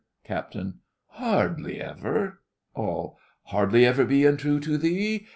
CAPT. Hardly ever! ALL. Hardly ever be untrue to thee.